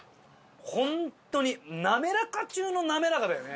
ほんとに滑らか中の滑らかだよね